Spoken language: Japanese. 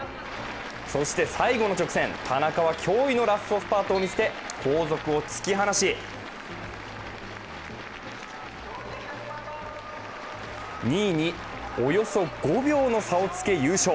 そして最後の直線、田中は驚異のラストスパートを見せて後続を突き放し、２位におよそ５秒の差をつけ優勝。